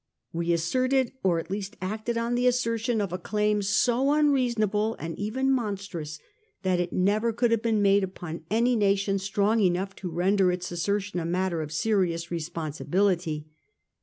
"We as serted, or at least acted on the assertion of, a claim so unreasonable and even monstrous that it never could have been made upon any nation strong enough to render its assertion a matter of serious responsibility.